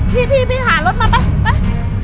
พี่พี่หารถมาไป